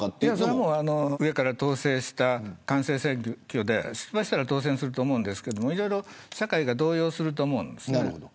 上から統制した管制選挙で出馬したら当選すると思いますけどいろいろ社会が動揺すると思います。